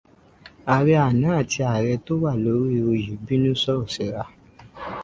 Ààrẹ àná àti ààrẹ tó wà lóri oyè bínú sọ̀rọ̀ síra.